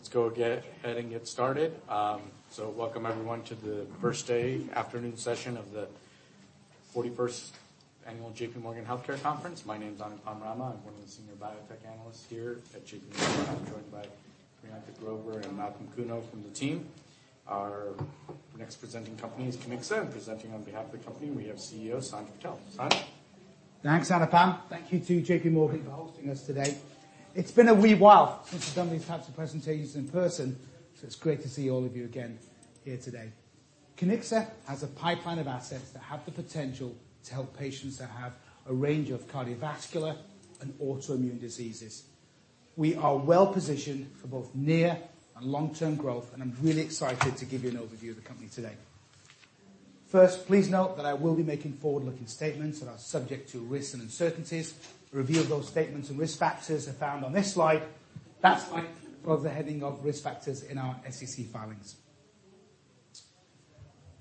Let's go ahead and get started. Welcome everyone to the first day afternoon session of the 41st annual J.P. Morgan Healthcare Conference. My name is Anupam Rama. I'm one of the senior biotech analysts here at J.P. Morgan. I'm joined by Priyanka Grover and Malcolm Kuno from the team. Our next presenting company is Kiniksa. Presenting on behalf of the company, we have CEO, Sanj Patel. Sanj. Thanks, Anupam. Thank you to J.P. Morgan for hosting us today. It's been a wee while since we've done these types of presentations in person, so it's great to see all of you again here today. Kiniksa has a pipeline of assets that have the potential to help patients that have a range of cardiovascular and autoimmune diseases. We are well-positioned for both near and long-term growth, and I'm really excited to give you an overview of the company today. Please note that I will be making forward-looking statements that are subject to risks and uncertainties. A review of those statements and risk factors are found on this slide. That slide covers the heading of Risk Factors in our SEC filings.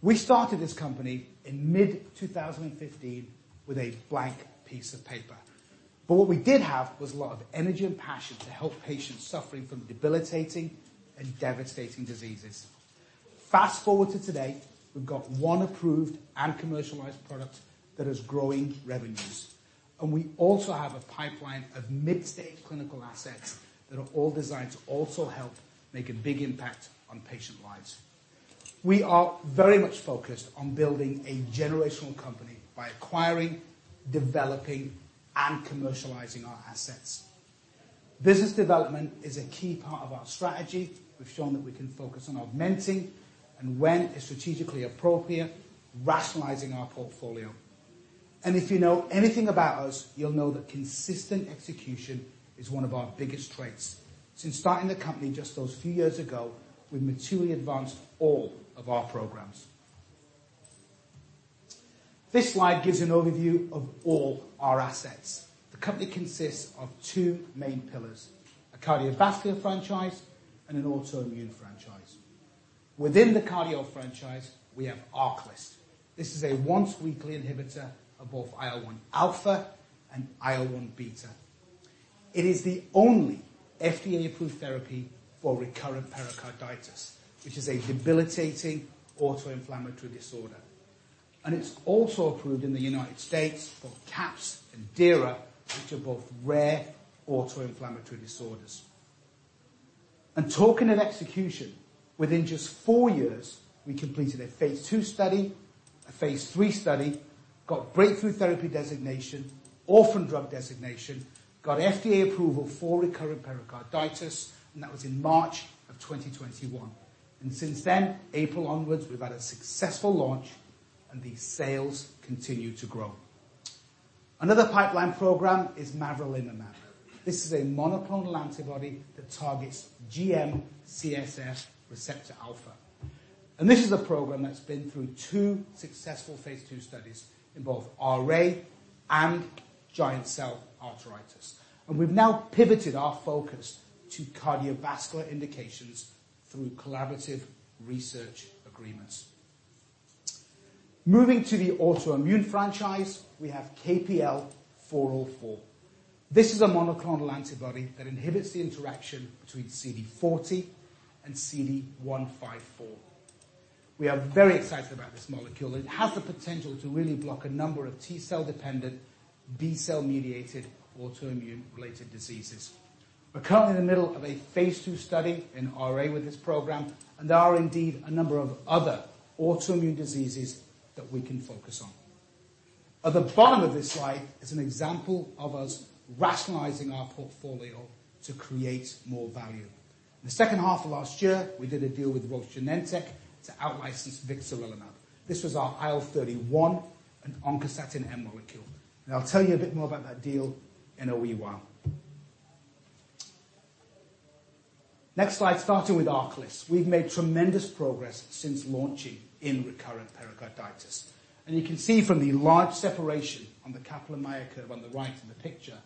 We started this company in mid-2015 with a blank piece of paper. What we did have was a lot of energy and passion to help patients suffering from debilitating and devastating diseases. Fast-forward to today, we've got one approved and commercialized product that is growing revenues. We also have a pipeline of mid-stage clinical assets that are all designed to also help make a big impact on patient lives. We are very much focused on building a generational company by acquiring, developing, and commercializing our assets. Business development is a key part of our strategy. We've shown that we can focus on augmenting and when it's strategically appropriate, rationalizing our portfolio. If you know anything about us, you'll know that consistent execution is one of our biggest traits. Since starting the company just those few years ago, we've materially advanced all of our programs. This slide gives an overview of all our assets. The company consists of two main pillars: a cardiovascular franchise and an autoimmune franchise. Within the cardio franchise, we have ARCALYST. This is a once-weekly inhibitor of both IL-1 alpha and IL-1 beta. It is the only FDA-approved therapy for recurrent pericarditis, which is a debilitating autoinflammatory disorder. It's also approved in the United States for CAPS and DIRA, which are both rare autoinflammatory disorders. Talking of execution, within just four years, we completed a phase II study, a phase III study, got breakthrough therapy designation, orphan drug designation, got FDA approval for recurrent pericarditis, and that was in March of 2021. Since then, April onwards, we've had a successful launch and the sales continue to grow. Another pipeline program is mavrilimumab. This is a monoclonal antibody that targets GM-CSF receptor alpha. This is a program that's been through two successful phase II studies in both RA and giant cell arteritis. We've now pivoted our focus to cardiovascular indications through collaborative research agreements. Moving to the autoimmune franchise, we have KPL-404. This is a monoclonal antibody that inhibits the interaction between CD40 and CD154. We are very excited about this molecule. It has the potential to really block a number of T-cell dependent, B-cell mediated autoimmune related diseases. We're currently in the middle of a phase II study in RA with this program, and there are indeed a number of other autoimmune diseases that we can focus on. At the bottom of this slide is an example of us rationalizing our portfolio to create more value. In the second half of last year, we did a deal with Roche Genentech to out-license vixarelimab. This was our IL-31 and vixarelimab molecule. I'll tell you a bit more about that deal in a wee while. Next slide, starting with ARCALYST. We've made tremendous progress since launching in recurrent pericarditis. You can see from the large separation on the Kaplan-Meier curve on the right in the picture,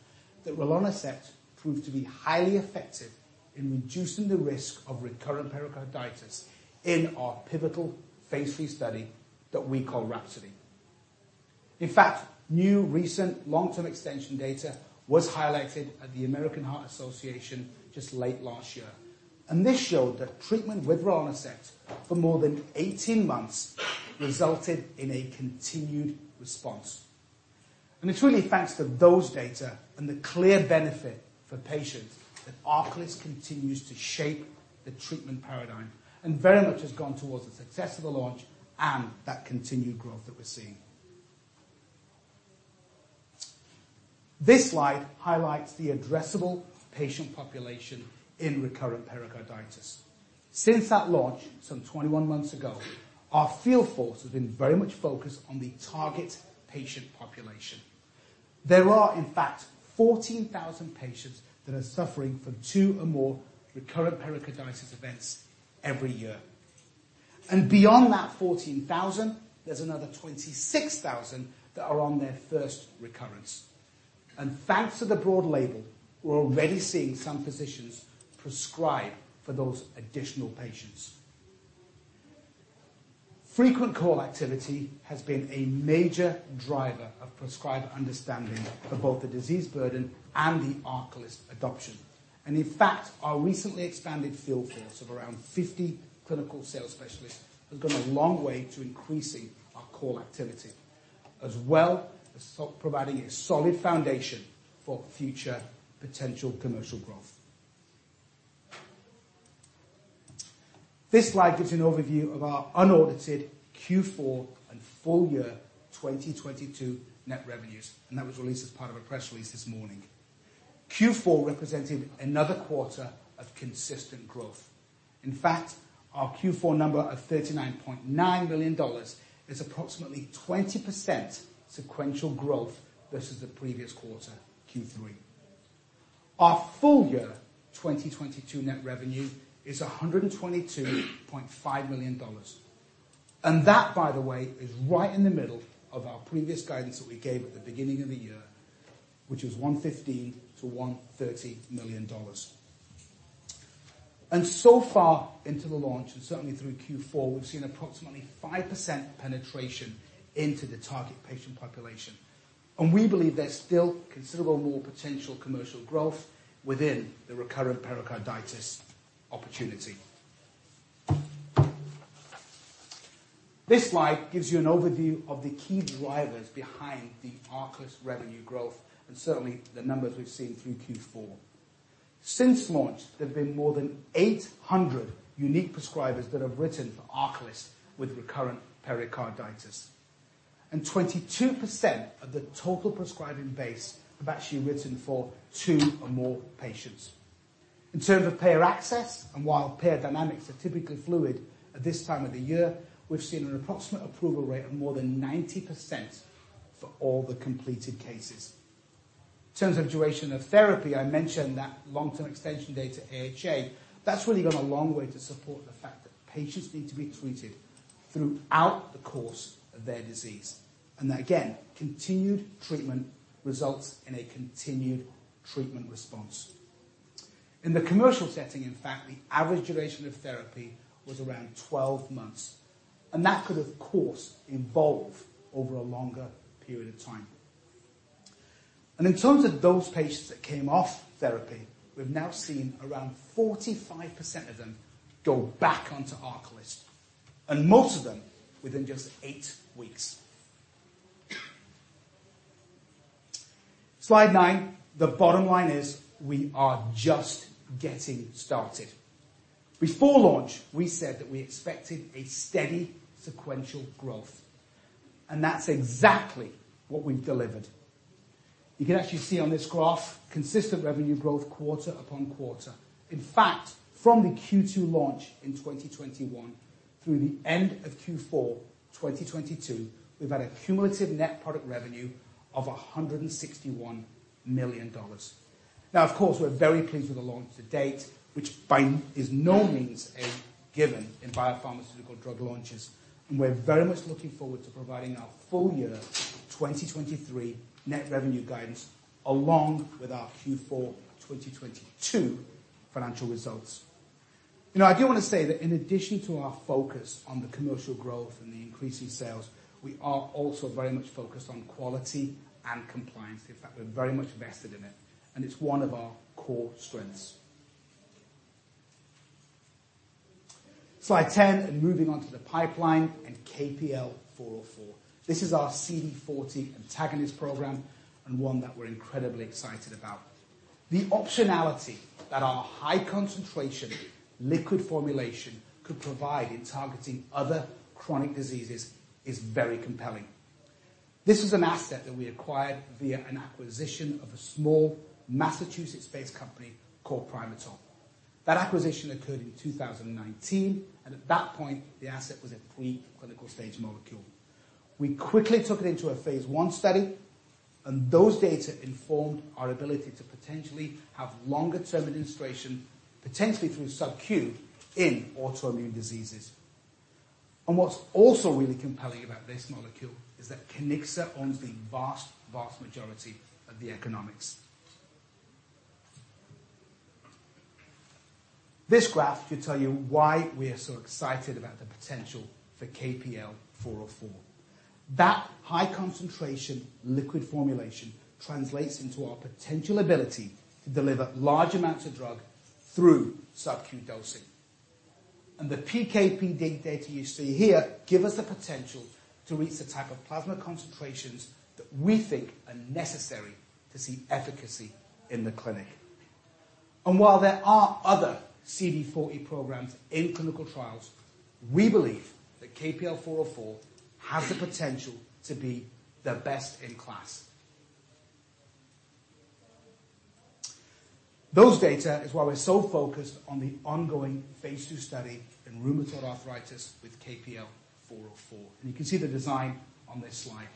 that rilonacept proved to be highly effective in reducing the risk of recurrent pericarditis in our pivotal phase III study that we call RHAPSODY. In fact, new recent long-term extension data was highlighted at the American Heart Association just late last year. This showed that treatment with rilonacept for more than 18 months resulted in a continued response. It's really thanks to those data and the clear benefit for patients that ARCALYST continues to shape the treatment paradigm and very much has gone towards the success of the launch and that continued growth that we're seeing. This slide highlights the addressable patient population in recurrent pericarditis. Since that launch some 21 months ago, our field force has been very much focused on the target patient population. There are, in fact, 14,000 patients that are suffering from two or more recurrent pericarditis events every year. Beyond that 14,000, there's another 26,000 that are on their first recurrence. Thanks to the broad label, we're already seeing some physicians prescribe for those additional patients. Frequent call activity has been a major driver of prescriber understanding of both the disease burden and the ARCALYST adoption. In fact, our recently expanded field force of around 50 clinical sales specialists has gone a long way to increasing our call activity, as well as providing a solid foundation for future potential commercial growth. This slide gives an overview of our unaudited Q4 and full year 2022 net revenues, that was released as part of a press release this morning. Q4 representing another quarter of consistent growth. In fact, our Q4 number of $39.9 million is approximately 20% sequential growth versus the previous quarter, Q3. Our full year 2022 net revenue is $122.5 million. That, by the way, is right in the middle of our previous guidance that we gave at the beginning of the year, which was $115 million-$130 million. So far into the launch, and certainly through Q4, we've seen approximately 5% penetration into the target patient population. We believe there's still considerable more potential commercial growth within the recurrent pericarditis opportunity. This slide gives you an overview of the key drivers behind the ARCALYST revenue growth, and certainly the numbers we've seen through Q4. Since launch, there have been more than 800 unique prescribers that have written for ARCALYST with recurrent pericarditis, and 22% of the total prescribing base have actually written for two or more patients. In terms of payer access, and while payer dynamics are typically fluid at this time of the year, we've seen an approximate approval rate of more than 90% for all the completed cases. In terms of duration of therapy, I mentioned that long-term extension data AHA, that's really gone a long way to support the fact that patients need to be treated throughout the course of their disease. That, again, continued treatment results in a continued treatment response. In the commercial setting, in fact, the average duration of therapy was around 12 months. That could, of course, evolve over a longer period of time. In terms of those patients that came off therapy, we've now seen around 45% of them go back onto ARCALYST. Most of them within just eight weeks. Slide nine. The bottom line is we are just getting started. Before launch, we said that we expected a steady sequential growth. That's exactly what we've delivered. You can actually see on this graph, consistent revenue growth quarter upon quarter. In fact, from the Q2 launch in 2021 through the end of Q4 2022, we've had a cumulative net product revenue of $161 million. Now, of course, we're very pleased with the launch to date, which is no means a given in biopharmaceutical drug launches. We're very much looking forward to providing our full year 2023 net revenue guidance along with our Q4 2022 financial results. You know, I do wanna say that in addition to our focus on the commercial growth and the increase in sales, we are also very much focused on quality and compliance. In fact, we're very much invested in it, and it's one of our core strengths. Slide 10, moving on to the pipeline and KPL-404. This is our CD40 antagonist program and one that we're incredibly excited about. The optionality that our high concentration liquid formulation could provide in targeting other chronic diseases is very compelling. This is an asset that we acquired via an acquisition of a small Massachusetts-based company called Primatope. That acquisition occurred in 2019, and at that point, the asset was a pre-clinical stage molecule. We quickly took it into a phase I study, and those data informed our ability to potentially have longer-term administration, potentially through Sub-Q in autoimmune diseases. What's also really compelling about this molecule is that Kiniksa owns the vast majority of the economics. This graph should tell you why we are so excited about the potential for KPL-404. That high concentration liquid formulation translates into our potential ability to deliver large amounts of drug through Sub-Q dosing. The PK/PD data you see here give us the potential to reach the type of plasma concentrations that we think are necessary to see efficacy in the clinic. While there are other CD40 programs in clinical trials, we believe that KPL-404 has the potential to be the best in class. Those data is why we're so focused on the ongoing phase II study in rheumatoid arthritis with KPL-404. You can see the design on this slide.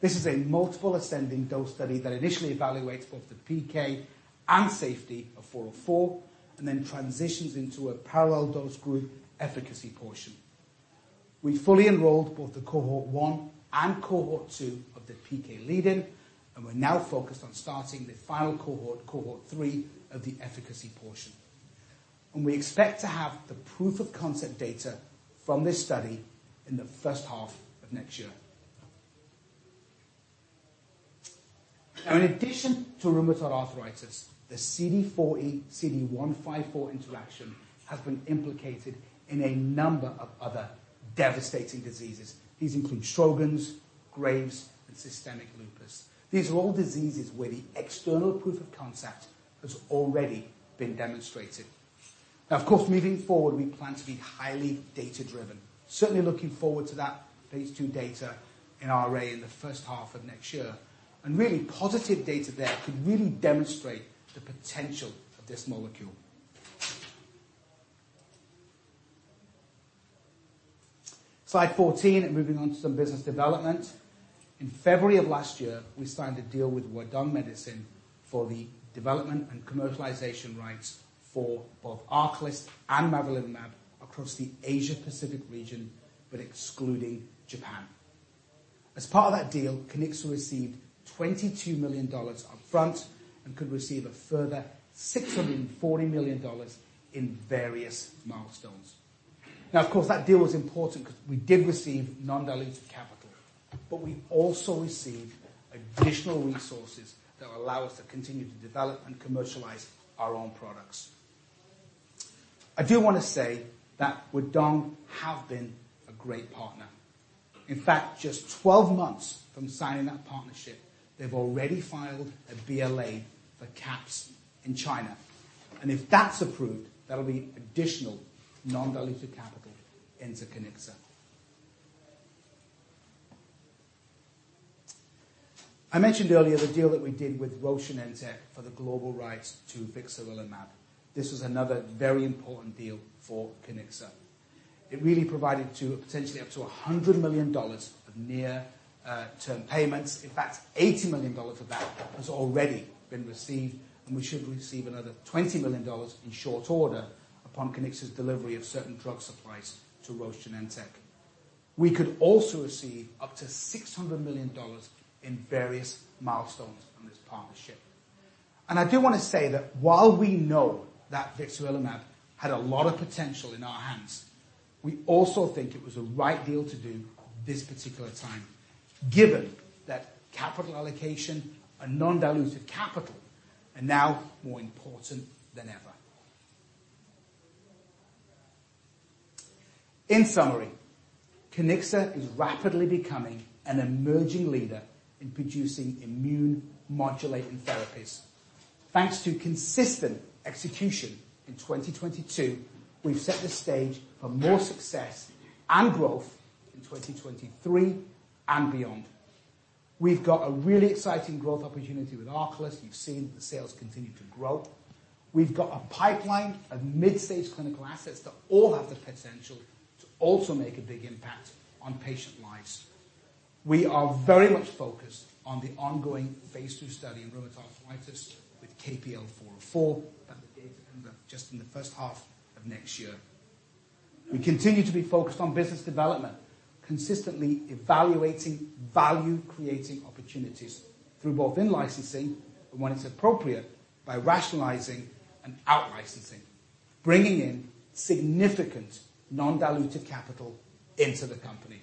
This is a multiple ascending dose study that initially evaluates both the PK and safety of 404, and then transitions into a parallel dose group efficacy portion. We fully enrolled both the cohort 1 and cohort 2 of the PK lead-in, and we're now focused on starting the final cohort three of the efficacy portion. We expect to have the proof of concept data from this study in the first half of next year. Now, in addition to rheumatoid arthritis, the CD40/CD154 interaction has been implicated in a number of other devastating diseases. These include Sjögren's, Graves', and systemic lupus. These are all diseases where the external proof of concept has already been demonstrated. Now, of course, moving forward, we plan to be highly data-driven. Certainly looking forward to that phase II data in RA in the first half of next year. Really positive data there could really demonstrate the potential of this molecule. Slide 14. Moving on to some business development. In February of last year, we signed a deal with Huadong Medicine for the development and commercialization rights for both ARCALYST and mavrilimumab across the Asia-Pacific region, but excluding Japan. As part of that deal, Kiniksa received $22 million upfront and could receive a further $640 million in various milestones. Of course, that deal was important because we did receive non-dilutive capital. We also received additional resources that allow us to continue to develop and commercialize our own products. I do want to say that Huadong has been a great partner. In fact, just 12 months from signing that partnership, they've already filed a BLA for CAPS in China. If that's approved, that'll be additional non-dilutive capital into Kiniksa. I mentioned earlier the deal that we did with Roche and Genentech for the global rights to vixarelimab. This was another very important deal for Kiniksa. It really provided to potentially up to $100 million of near-term payments. In fact, $80 million of that has already been received, and we should receive another $20 million in short order upon Kiniksa's delivery of certain drug supplies to Roche and Genentech. We could also receive up to $600 million in various milestones on this partnership. I do wanna say that while we know that vixarelimab had a lot of potential in our hands, we also think it was a right deal to do this particular time, given that capital allocation and non-dilutive capital are now more important than ever. In summary, Kiniksa is rapidly becoming an emerging leader in producing immune-modulating therapies. Thanks to consistent execution in 2022, we've set the stage for more success and growth in 2023 and beyond. We've got a really exciting growth opportunity with ARCALYST. You've seen the sales continue to grow. We've got a pipeline of mid-stage clinical assets that all have the potential to also make a big impact on patient lives. We are very much focused on the ongoing phase II study in rheumatoid arthritis with KPL-404, the data comes out just in the first half of next year. We continue to be focused on business development, consistently evaluating value-creating opportunities through both in-licensing and, when it's appropriate, by rationalizing and out-licensing, bringing in significant non-dilutive capital into the company.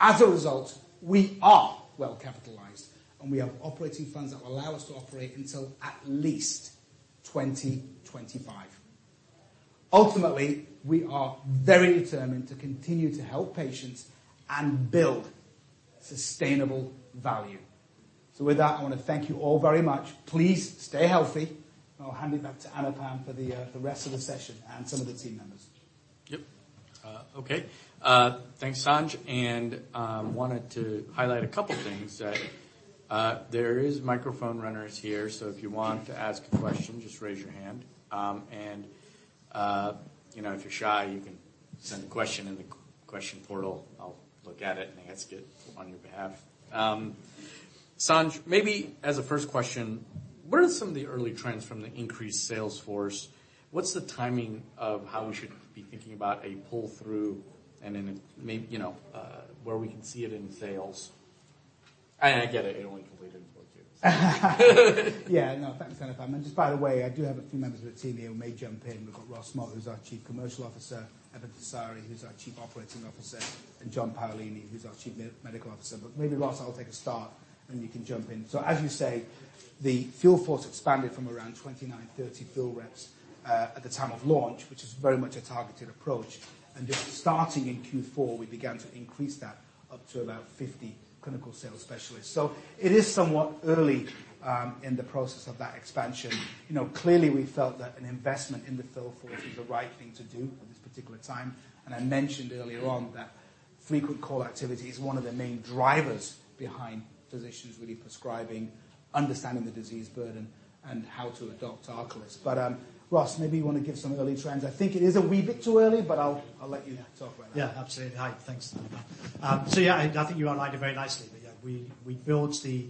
As a result, we are well-capitalized, and we have operating funds that will allow us to operate until at least 2025. Ultimately, we are very determined to continue to help patients and build sustainable value. With that, I wanna thank you all very much. Please stay healthy. I'll hand it back to Anupam for the rest of the session and some of the team members. Yep. Okay. Thanks, Sanj. Wanted to highlight a couple things, that there is microphone runners here, so if you want to ask a question, just raise your hand. You know, if you're shy, you can send a question in the question portal. I'll look at it and ask it on your behalf. Sanj, maybe as a first question, what are some of the early trends from the increased sales force? What's the timing of how we should be thinking about a pull-through and then you know, where we can see it in sales? I get it only completed in Q4 2022. No, thanks, Anupam. Just by the way, I do have a few members of the team here who may jump in. We've got Ross Moat, who's our chief commercial officer, Eben Tessari, who's our chief operating officer, and John Paolini, who's our chief medical officer. Maybe, Ross, I'll take a start, and you can jump in. As you say, the field force expanded from around 29, 30 field reps at the time of launch, which is very much a targeted approach. Just starting in Q4, we began to increase that up to about 50 clinical sales specialists. It is somewhat early in the process of that expansion. You know, clearly, we felt that an investment in the field force was the right thing to do at this particular time. I mentioned earlier on that frequent call activity is one of the main drivers behind physicians really prescribing, understanding the disease burden, and how to adopt ARCALYST. Ross, maybe you wanna give some early trends. I think it is a wee bit too early, but I'll let you talk right now. Absolutely. Hi. Thanks, Anupam. I think you outlined it very nicely. We built the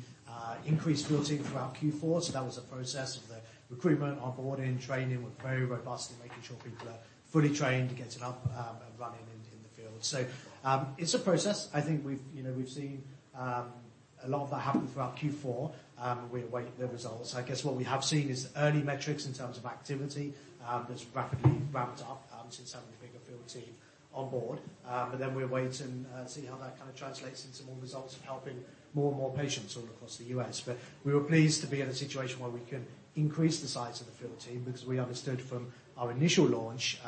increased building throughout Q4, so that was a process of the recruitment, onboarding, training with very robust. Make sure people are fully trained to get it up and running in the field. It's a process. I think we've, you know, we've seen a lot of that happen throughout Q4. We await the results. I guess what we have seen is early metrics in terms of activity, that's rapidly ramped up, since having a bigger field team on board. We await and see how that kind of translates into more results of helping more and more patients all across the U.S. We were pleased to be in a situation where we can increase the size of the field team, because we understood from our initial launch,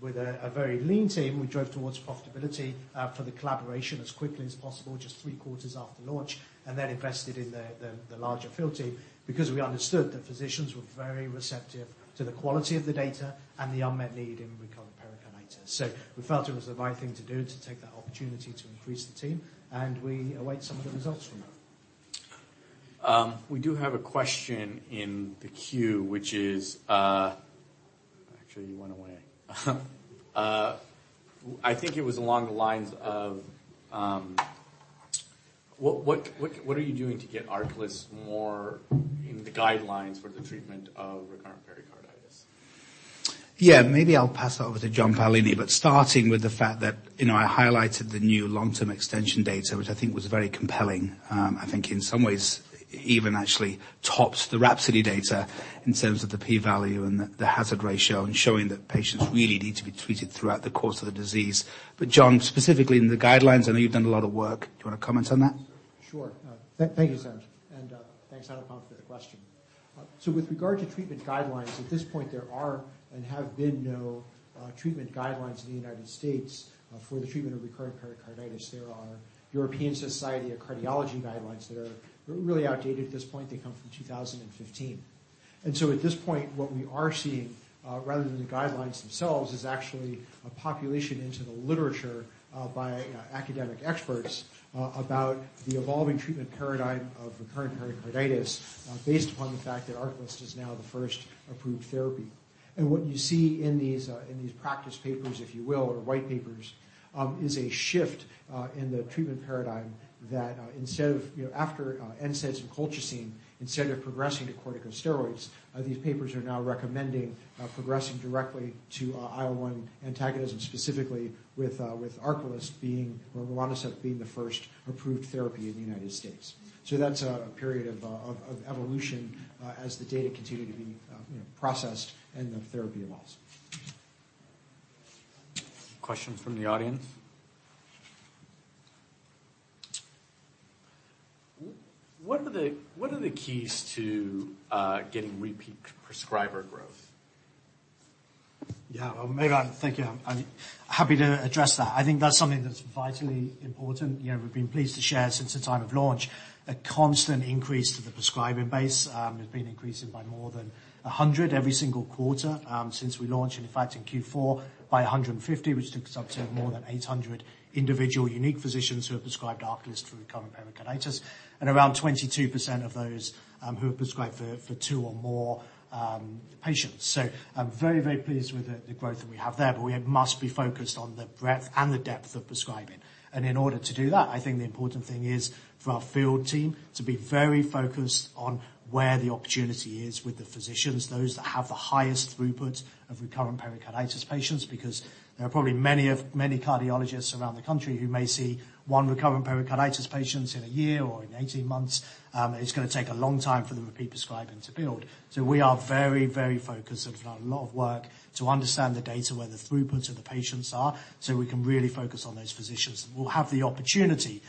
with a very lean team, we drove towards profitability for the collaboration as quickly as possible, just three quarters after launch, and then invested in the larger field team. We understood that physicians were very receptive to the quality of the data and the unmet need in recurrent pericarditis. We felt it was the right thing to do to take that opportunity to increase the team, and we await some of the results from that. We do have a question in the queue. Actually, it went away. I think it was along the lines of, what are you doing to get ARCALYST more in the guidelines for the treatment of recurrent pericarditis? Yeah. Maybe I'll pass that over to John Paolini, starting with the fact that, you know, I highlighted the new long-term extension data, which I think was very compelling. I think in some ways even actually tops the RHAPSODY data in terms of the P value and the hazard ratio, and showing that patients really need to be treated throughout the course of the disease. John, specifically in the guidelines, I know you've done a lot of work. Do you wanna comment on that? Sure. Thank you, Sanj, and thanks Anupam for the question. With regard to treatment guidelines, at this point there are and have been no treatment guidelines in the United States for the treatment of recurrent pericarditis. There are European Society of Cardiology guidelines that are really outdated at this point. They come from 2015. At this point, what we are seeing, rather than the guidelines themselves, is actually a population into the literature by academic experts about the evolving treatment paradigm of recurrent pericarditis based upon the fact that ARCALYST is now the first approved therapy. What you see in these in these practice papers, if you will, or white papers, is a shift in the treatment paradigm that instead of, you know... After NSAIDs and colchicine, instead of progressing to corticosteroids, these papers are now recommending progressing directly to IL-1 antagonism specifically with ARCALYST being or rilonacept being the first approved therapy in the United States. That's a period of evolution as the data continue to be, you know, processed and the therapy evolves. Questions from the audience. What are the keys to getting repeat prescriber growth? Well, thank you. I'm happy to address that. I think that's something that's vitally important. You know, we've been pleased to share since the time of launch a constant increase to the prescribing base. It's been increasing by more than 100 every single quarter since we launched. In fact, in Q4 by 150, which takes us up to more than 800 individual unique physicians who have prescribed ARCALYST for recurrent pericarditis. Around 22% of those who have prescribed for two or more patients. I'm very, very pleased with the growth that we have there, but we must be focused on the breadth and the depth of prescribing. In order to do that, I think the important thing is for our field team to be very focused on where the opportunity is with the physicians, those that have the highest throughput of recurrent pericarditis patients. There are probably many cardiologists around the country who may see one recurrent pericarditis patients in a year or in 18 months, it's gonna take a long time for the repeat prescribing to build. We are very, very focused and have done a lot of work to understand the data where the throughputs of the patients are, so we can really focus on those physicians that will have the opportunity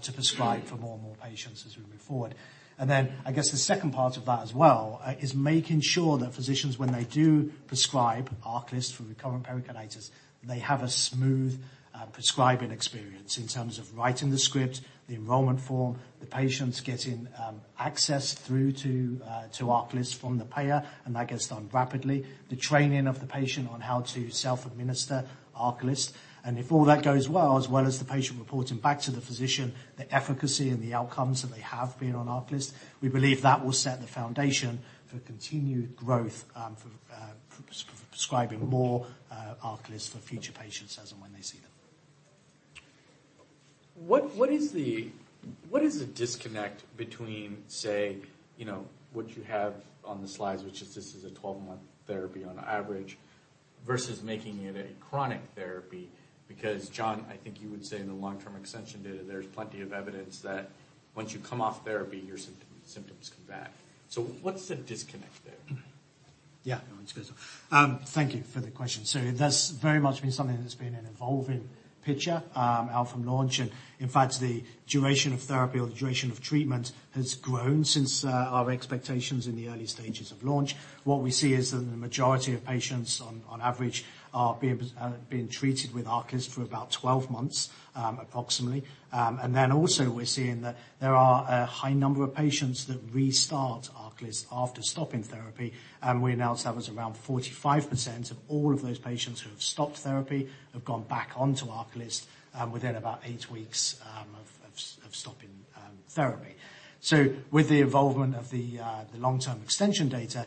to prescribe for more and more patients as we move forward. I guess the second part of that as well, is making sure that physicians, when they do prescribe ARCALYST for recurrent pericarditis, they have a smooth prescribing experience in terms of writing the script, the enrollment form, the patients getting access through to ARCALYST from the payer, and that gets done rapidly. The training of the patient on how to self-administer ARCALYST, and if all that goes well, as well as the patient reporting back to the physician, the efficacy and the outcomes that they have been on ARCALYST, we believe that will set the foundation for continued growth, for prescribing more ARCALYST for future patients as and when they see them. What is the disconnect between, say, you know, what you have on the slides, which is this is a 12-month therapy on average versus making it a chronic therapy? John, I think you would say in the long-term extension data, there's plenty of evidence that once you come off therapy, your symptoms come back. What's the disconnect there? Yeah. No, it's good. Thank you for the question. That's very much been something that's been an evolving picture out from launch. In fact, the duration of therapy or the duration of treatment has grown since our expectations in the early stages of launch. What we see is that the majority of patients on average are being treated with ARCALYST for about 12 months approximately. Also we're seeing that there are a high number of patients that restart ARCALYST after stopping therapy. We announced that was around 45% of all of those patients who have stopped therapy have gone back onto ARCALYST within about 8 weeks of stopping therapy. With the involvement of the long-term extension data,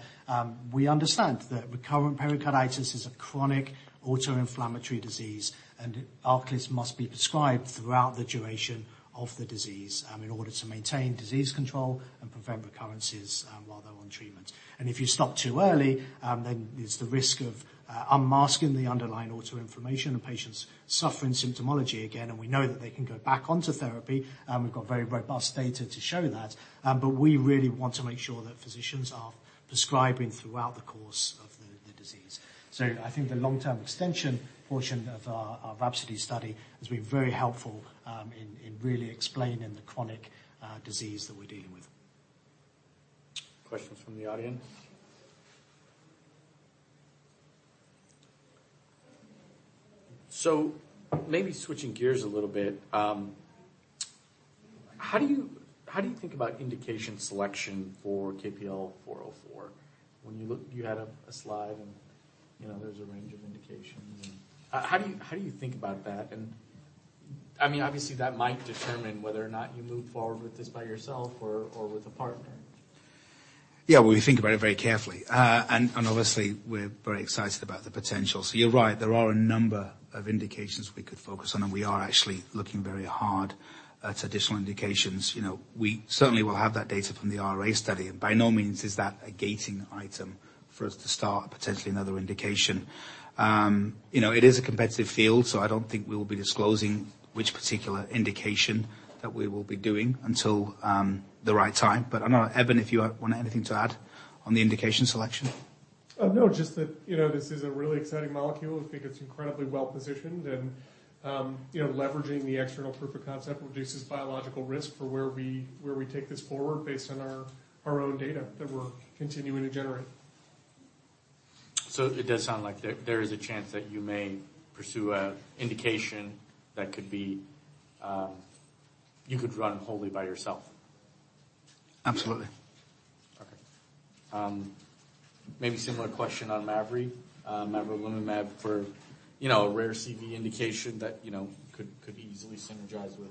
we understand that recurrent pericarditis is a chronic autoinflammatory disease, and ARCALYST must be prescribed throughout the duration of the disease, in order to maintain disease control. Prevent recurrences while they're on treatment. If you stop too early, then there's the risk of unmasking the underlying autoinflammation and patients suffering symptomology again. We know that they can go back onto therapy, we've got very robust data to show that. We really want to make sure that physicians are prescribing throughout the course of the disease. I think the long-term extension portion of our RHAPSODY study has been very helpful in really explaining the chronic disease that we're dealing with. Questions from the audience. Maybe switching gears a little bit, how do you, how do you think about indication selection for KPL-404? You had a slide and, you know, there's a range of indications. How do you, how do you think about that? I mean, obviously, that might determine whether or not you move forward with this by yourself or with a partner. Yeah. Well, we think about it very carefully. Obviously, we're very excited about the potential. You're right, there are a number of indications we could focus on, and we are actually looking very hard at additional indications. You know, we certainly will have that data from the RA study, and by no means is that a gating item for us to start potentially another indication. You know, it is a competitive field, so I don't think we'll be disclosing which particular indication that we will be doing until the right time. I know, Eben, if you want anything to add on the indication selection. No. Just that, you know, this is a really exciting molecule. I think it's incredibly well-positioned and, you know, leveraging the external proof of concept reduces biological risk for where we take this forward based on our own data that we're continuing to generate. It does sound like there is a indication that could be. You could run wholly by yourself. Absolutely. Maybe similar question on Mavri, mavrilimumab for, you know, a rare CV indication that, you know, could easily synergize with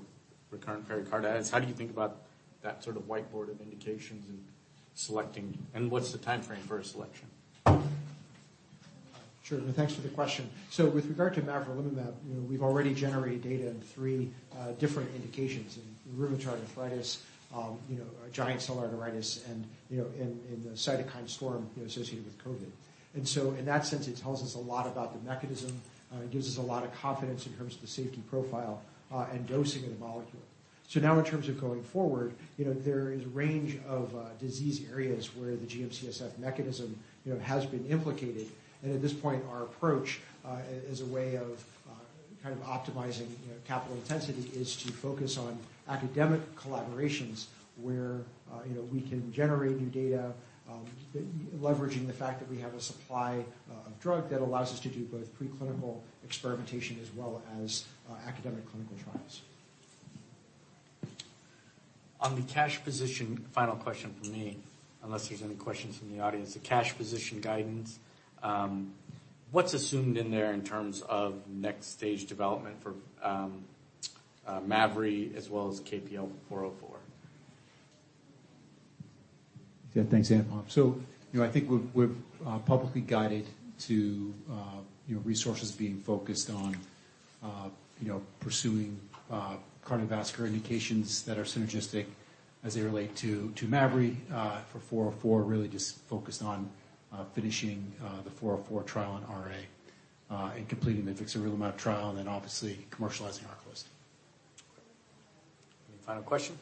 recurrent pericarditis. How do you think about that sort of whiteboard of indications and selecting... What's the timeframe for a selection? Sure. Thanks for the question. With regard to mavrilimumab, you know, we've already generated data in three different indications in rheumatoid arthritis, you know, giant cell arteritis and, you know, in the cytokine storm, you know, associated with COVID. In that sense, it tells us a lot about the mechanism. It gives us a lot of confidence in terms of the safety profile and dosing of the molecule. Now in terms of going forward, you know, there is a range of disease areas where the GM-CSF mechanism, you know, has been implicated. At this point, our approach, as a way of, kind of optimizing, you know, capital intensity, is to focus on academic collaborations where, you know, we can generate new data, leveraging the fact that we have a supply of drug that allows us to do both preclinical experimentation as well as, academic clinical trials. On the cash position, final question from me, unless there's any questions from the audience. The cash position guidance, what's assumed in there in terms of next stage development for Mavri as well as KPL-404? Yeah. Thanks, Anupam Rama. you know, I think we've publicly guided to, you know, resources being focused on, you know, pursuing cardiovascular indications that are synergistic as they relate to mavrilimumab. For KPL-404, really just focused on finishing the KPL-404 trial in RA and completing the vixarelimab trial and then obviously commercializing ARCALYST. Any final questions?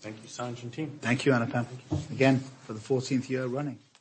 Thank you, Sanj and team. Thank you, Anupam. Again, for the 14th year running.